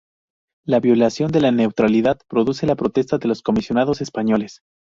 La violación de la neutralidad produce la protesta de los comisionados españoles.